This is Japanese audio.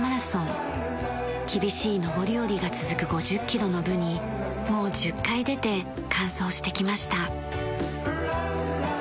厳しい上り下りが続く５０キロの部にもう１０回出て完走してきました。